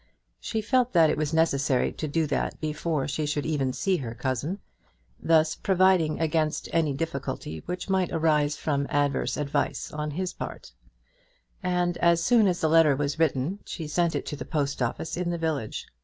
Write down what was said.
She felt that it was necessary to do that before she should even see her cousin, thus providing against any difficulty which might arise from adverse advice on his part; and as soon as the letter was written she sent it to the post office in the village.